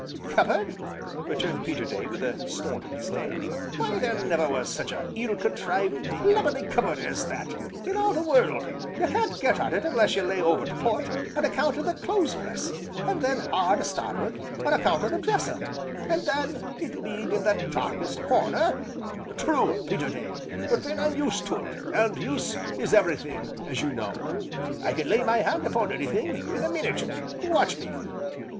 "Cupboard!" returned Peterday with a snort of disdain, "why there never was such a ill contrived, lubberly cupboard as that, in all the world; you can't get at it unless you lay over to port, on account o' the clothes press, and then hard a starboard, on account o' the dresser, and then it being in the darkest corner " "True Peterday, but then I'm used to it, and use is everything as you know, I can lay my hand upon anything in a minute watch me!"